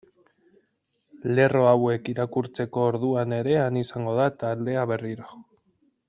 Lerro hauek irakurtzeko orduan ere han izango da taldea berriro.